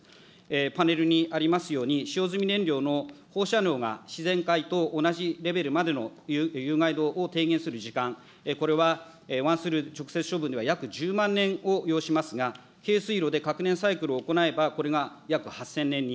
パネルにありますように、使用済み燃料の放射能が自然界と同じレベルまでの有害度を低減する時間、これはワンスルー直接処理では約１０万年を要しますが、軽水炉で核燃サイクルを行なえば、これが約８０００年に。